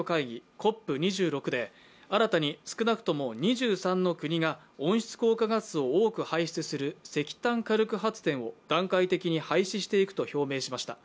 ＣＯＰ２６で新たに少なくとも２３の国が温室効果ガスを多く輩出する石炭火力発電を段階的に廃止していくと表明しました。